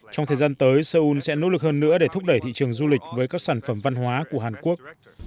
trong thời gian tới seoul sẽ nỗ lực hơn nữa để thúc đẩy thị trường du lịch với các sản phẩm văn hóa của hàn quốc